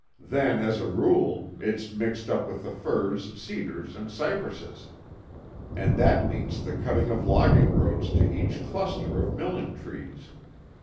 Then, as a rule, it's mixed up with the firs, cedars and cypresses; and that means the cutting of logging roads to each cluster of milling trees.